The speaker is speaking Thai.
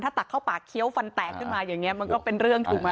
ตักเข้าปากเคี้ยวฟันแตกขึ้นมาอย่างนี้มันก็เป็นเรื่องถูกไหม